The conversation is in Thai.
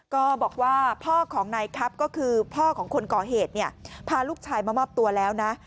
ก็บอกว่าพ่อของนายครับก็คือพ่อของคนก่อเหตุเนี่ยพาลูกชายมามอบตัวแล้วนะ